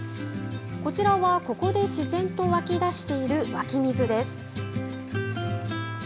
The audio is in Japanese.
こちらはここで自然と湧き出している湧き水です。